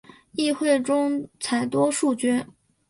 议会中采多数决。